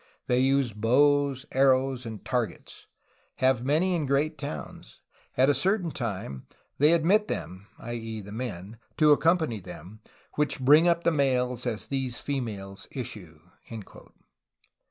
They use Bowes, Arrows, and Targets; have many and great townes; at a certain time [they] admit them [i. e. men] to accompanie them, which bring up the males as these the female issue."